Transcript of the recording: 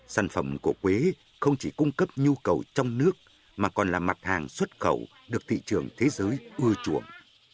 sản phẩm của quế không chỉ cung cấp nhu cầu trong nước mà còn là mặt hàng xuất khẩu được thị trường thế giới ưa chuộng